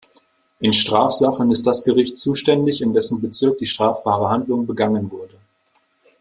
In Strafsachen ist das Gericht zuständig, in dessen Bezirk die strafbare Handlung begangen wurde.